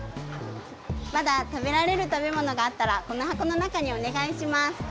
まだ食べられる食べ物があったらこのはこのなかにおねがいします！